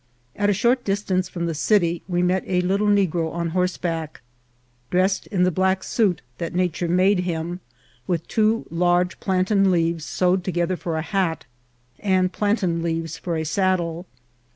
At a short distance from the city we met a little negro on horseback, dressed in the black suit that nature made him, with two large plantain leaves sewed together for a hat, and plantain leaves for a saddle.